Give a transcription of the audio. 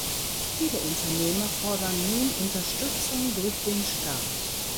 Viele Unternehmer fordern nun Unterstützung durch den Staat.